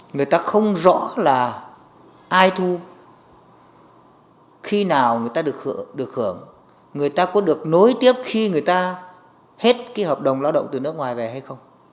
người ta không rõ là ai thu khi nào người ta được hưởng người ta có được nối tiếp khi người ta hết cái hợp đồng lao động từ nước ngoài về hay không